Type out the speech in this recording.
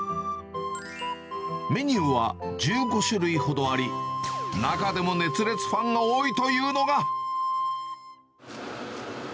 メニューは１５種類ほどあり、中でも熱烈ファンが多いというのが。